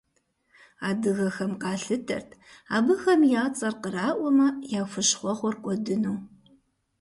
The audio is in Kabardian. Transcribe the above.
Адыгэхэм къалъытэрт абыхэм я цӏэр къраӏуэмэ, я хущхъуэгъуэр кӏуэдыну.